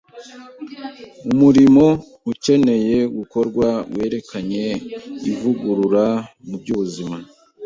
Umurimo ucyeneye gukorwa werekeranye n’ivugurura mu by’ubuzima.